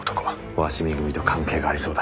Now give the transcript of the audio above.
鷲見組と関係がありそうだ」